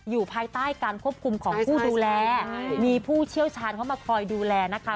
อยู่ภายใต้การควบคุมของผู้ดูแลมีผู้เชี่ยวชาญเข้ามาคอยดูแลนะคะ